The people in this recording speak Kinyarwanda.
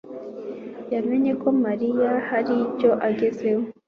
yamenye ko Mariya hari icyo agezeho.